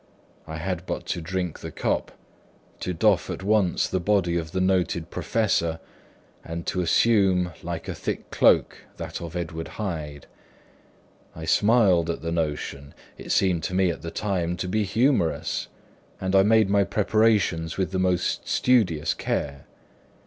I had but to drink the cup, to doff at once the body of the noted professor, and to assume, like a thick cloak, that of Edward Hyde. I smiled at the notion; it seemed to me at the time to be humourous; and I made my preparations with the most studious care.